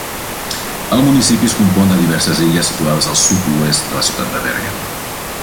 El municipi es compon de diverses illes situades al sud-oest de la ciutat de Bergen.